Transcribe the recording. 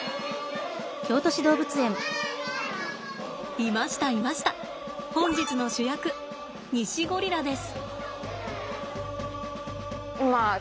いましたいました本日の主役ニシゴリラです。